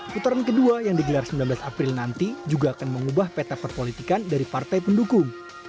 putaran kedua yang digelar sembilan belas april nanti juga akan mengubah peta perpolitikan dari partai pendukung